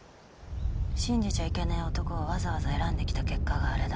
信じちゃいけねぇ男をわざわざ選んできた結果があれだ。